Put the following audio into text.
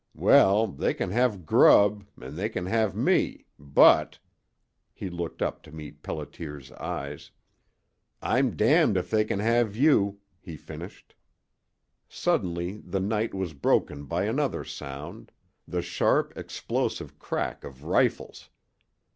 Well, they can have grub, an' they can have me, but" he looked up to meet Pelliter's eyes "I'm damned if they can have you," he finished. Suddenly the night was broken by another sound, the sharp, explosive crack of rifles.